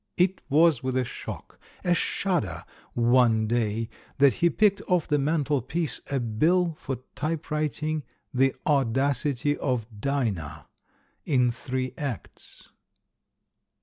It was with a shock, a shudder, one day, that he picked off the mantelpiece a bill for typewriting "'The Audacity of Dinah, in three acts."